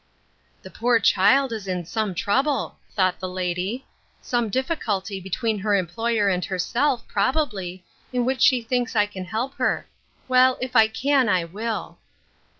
" The poor child is in some trouble," thought the lady ;" some difficulty between her employer and herself, probably, in which she thinks I can help her. Well, if I can, I will."